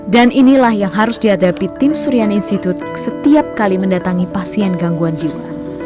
dan inilah yang harus dihadapi tim suriani institute setiap kali mendatangi pasien gangguan jiwa